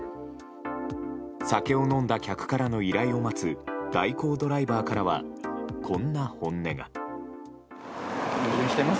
酒を飲んだ客からの依頼を待つ代行ドライバーからはこんな本音が。